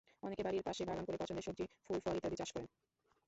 অনেকে বাড়ির পাশে বাগান করে পছন্দের সবজি, ফুল-ফল ইত্যাদি চাষ করেন।